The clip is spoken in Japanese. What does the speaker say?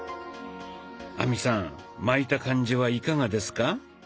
亜美さん巻いた感じはいかがですか？